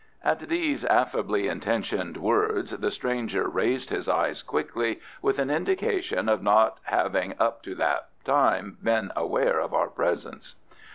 At these affably intentioned words the stranger raised his eyes quickly, with an indication of not having up to that time been aware of our presence.